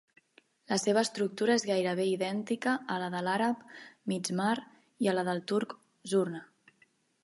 La seva estructura és gairebé idèntica a la de l'àrab "mizmar" i la del turc "zurna".